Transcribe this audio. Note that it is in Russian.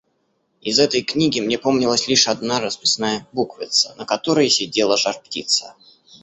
Из этой книги мне помнилась лишь одна расписная буквица, на которой сидела жар-птица.